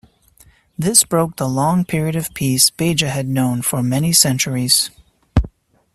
This broke the long period of peace Béja had known for many centuries.